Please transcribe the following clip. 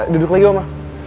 duduk lagi oma